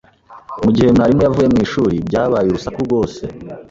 Mugihe mwarimu yavuye mwishuri, byabaye urusaku rwose.